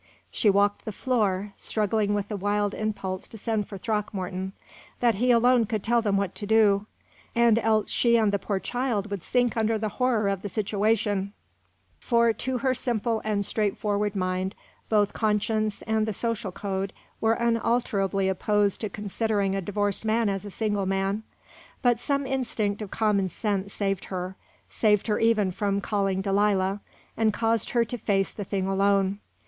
She walked the floor, struggling with the wild impulse to send for Throckmorton; that he alone could tell them what to do; and else she and the poor child would sink under the horror of the situation, for to her simple and straightforward mind both conscience and the social code were unalterably opposed to considering a divorced man as a single man. But some instinct of common sense saved her saved her even from calling Delilah, and caused her to face the thing alone.